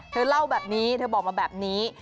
เธอเล่าแบบนี้เธอบอกมาแบบนี้